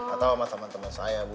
atau sama temen temen saya bu